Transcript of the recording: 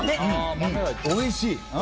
おいしい。